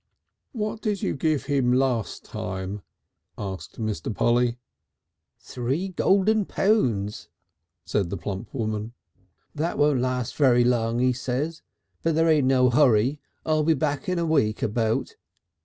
"What did you give him last time?" asked Mr. Polly. "Three golden pounds," said the plump woman. "'That won't last very long,' he says. 'But there ain't no hurry. I'll be back in a week about.'